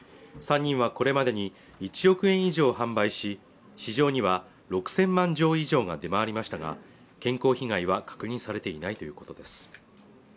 ３人はこれまでに１億円以上を販売し市場には６０００万錠以上が出回りましたが健康被害は確認されていないということです